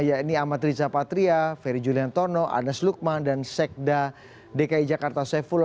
yaitu amat rizapatria ferry julian tono arnes lukman dan sekda dki jakarta sufilo